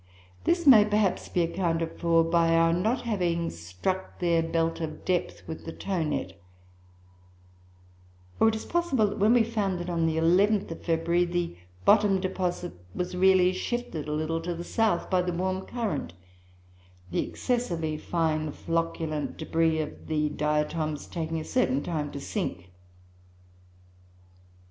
This may perhaps be accounted for by our not having struck their belt of depth with the tow net; or it is possible that when we found it on the 11th of February the bottom deposit was really shifted a little to the south by the warm current, the excessively fine flocculent débris of the Diatoms taking a certain time to sink.